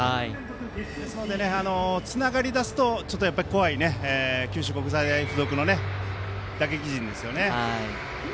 ですのでつながりだすと怖い九州国際大付属の打撃陣ですよね。